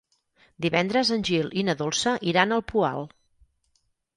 Divendres en Gil i na Dolça iran al Poal.